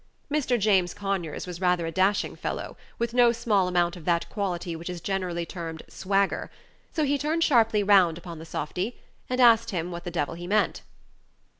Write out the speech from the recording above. Mr. James Conyers was rather a dashing fellow, with no small amount of that quality which is generally termed "swagger," so he turned sharply round upon the softy and asked him what the devil he meant.